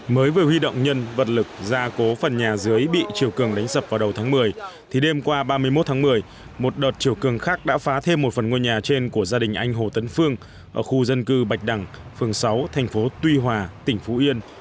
mới vừa huy động nhân vật lực ra cố phần nhà dưới bị triều cường đánh sập vào đầu tháng một mươi thì đêm qua ba mươi một tháng một mươi một đợt chiều cường khác đã phá thêm một phần ngôi nhà trên của gia đình anh hồ tấn phương ở khu dân cư bạch đằng phường sáu thành phố tuy hòa tỉnh phú yên